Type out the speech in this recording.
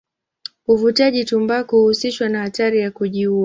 Uvutaji tumbaku huhusishwa na hatari ya kujiua.